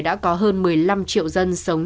đã có hơn một mươi năm triệu dân sống